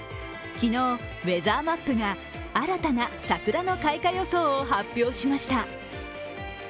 昨日、ウェザーマップが新たな桜の開花予想を発表しました。